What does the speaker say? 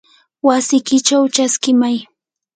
wasikichaw chaskimay.